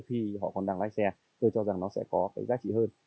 khi họ còn đang lái xe tôi cho rằng nó sẽ có cái giá trị hơn